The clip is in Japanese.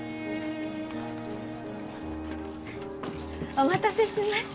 お待たせしました！